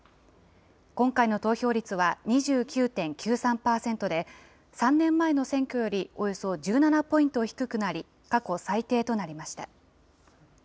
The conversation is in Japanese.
今回の投票率は２９．９３％で、３年前の選挙よりおよそ１７ポイント低くなり、過去最低となりました。